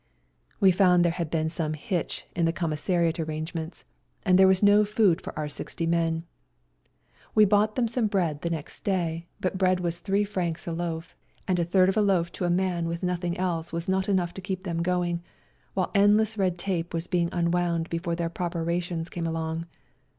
We found there had been some hitch in the commissariat arrangements, and there was no food for oiu' sixty men. We bought 208 WE GO TO CORFU them some bread next day, but bread was 3 francs a loaf, and a third of a loaf to a man with nothing else was not enough to keep them going, while endless red tape was being unwound before their proper rations came along.